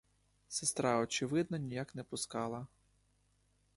Сестра очевидно ніяк не пускала.